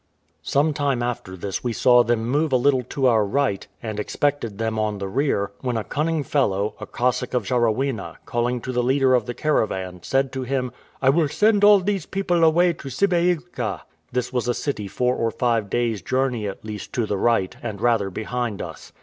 Some time after this we saw them move a little to our right, and expected them on the rear: when a cunning fellow, a Cossack of Jarawena, calling to the leader of the caravan, said to him, "I will send all these people away to Sibeilka." This was a city four or five days' journey at least to the right, and rather behind us.